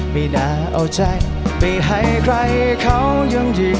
ไม่น่าเอาใจไปให้ใครเขายังดี